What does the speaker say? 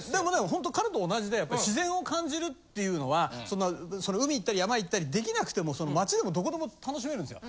ほんと彼と同じで自然を感じるっていうのは海行ったり山行ったりできなくても街でもどこでも楽しめるんすよ。